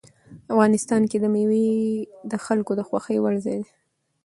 افغانستان کې مېوې د خلکو د خوښې وړ ځای دی.